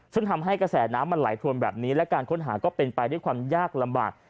ซึ่งทำให้กระแสน้ำมันไหลทวนแบบนี้และการค้นหาก็เป็นไปด้วยความยากลำบาก